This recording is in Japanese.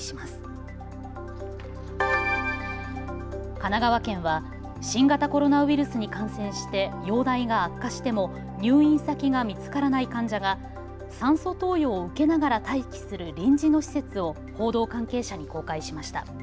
神奈川県は新型コロナウイルスに感染して容体が悪化しても入院先が見つからない患者が酸素投与を受けながら待機する臨時の施設を報道関係者に公開しました。